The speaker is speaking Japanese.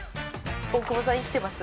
大久保さん生きてます？